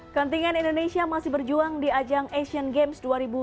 kentingan indonesia masih berjuang di ajang asian games dua ribu dua puluh dua